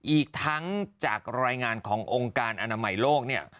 อีกทั้งจากรายงานขององค์การอนามัยโลกเนี่ย